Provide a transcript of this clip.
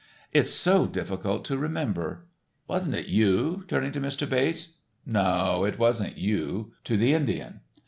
It's so difficult to remember. Wasn't it you," turning to Mr. Bates, "or no, wasn't it you," to the Indian.